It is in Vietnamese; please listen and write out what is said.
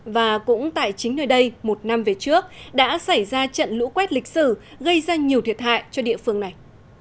và cũng tại chính nơi đây một năm về trước đã xảy ra trận lũ quét lịch sử gây ra nhiều thiệt hại cho địa phương này